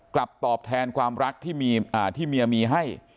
กลับตอบแทนความรักที่มีอ่าที่เมียมีให้